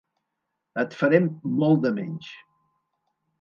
Et farem molt de menys.